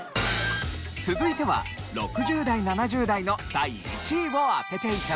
続いては６０代７０代の第１位を当てて頂きます。